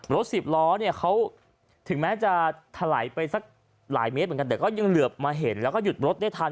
รถสิบล้อเนี่ยเขาถึงแม้จะถลายไปสักหลายเมตรเหมือนกันแต่ก็ยังเหลือบมาเห็นแล้วก็หยุดรถได้ทัน